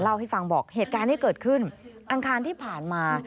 เล่าให้ฟังบอกเหตุการณ์ที่เกิดขึ้นอังคารที่ผ่านมา